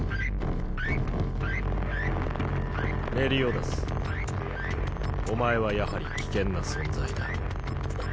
メリオダスお前はやはり危険な存在だ。